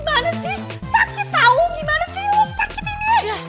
sakit tau gimana sih lu sakit ini